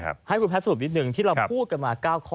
ให้คุณแพทย์สรุปนิดนึงที่เราพูดกันมา๙ข้อ